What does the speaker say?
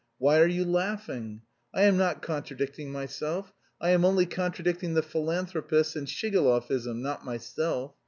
Why are you laughing? I am not contradicting myself. I am only contradicting the philanthropists and Shigalovism, not myself!